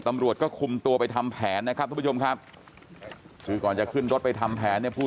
ตำรวจก็คุมตัวไปทำแผนนะครับทุกผู้ชมครับคือก่อนจะขึ้นรถไปทำแผนเนี่ยผู้